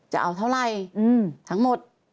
จะเอาเท่าไหร่ทั้งหมด